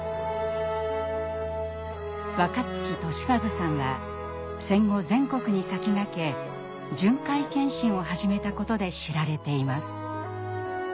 若月俊一さんは戦後全国に先駆け巡回検診を始めたことで知られています。